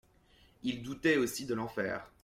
Il doutait aussi de l'enfer.